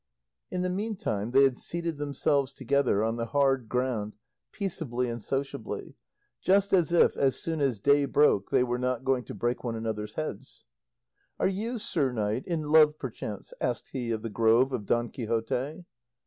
In the meantime, they had seated themselves together on the hard ground peaceably and sociably, just as if, as soon as day broke, they were not going to break one another's heads. "Are you, sir knight, in love perchance?" asked he of the Grove of Don Quixote.